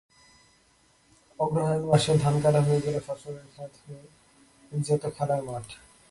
অগ্রহায়ণ মাসে ধান কাটা হয়ে গেলে ফসলের খেত হয়ে যেত খেলার মাঠ।